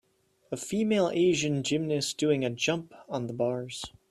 a female asian gymnast doing a jump on the bars